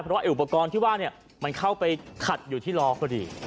เพราะว่าอุปกรณ์ที่ว่ามันเข้าไปขัดอยู่ที่ล้อพอดี